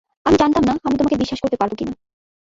আমি জানতাম না, আমি তোমাকে বিশ্বাস করতে পারবো কিনা।